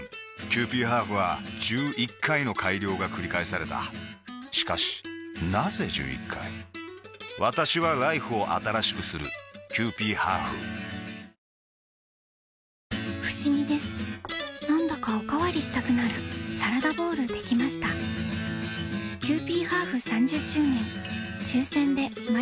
キユーピーハーフは１１回の改良がくり返されたしかしなぜ１１回私はＬＩＦＥを新しくするキユーピーハーフふしぎですなんだかおかわりしたくなるサラダボウルできましたキユーピーハーフ３０周年